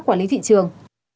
quản lý thị trường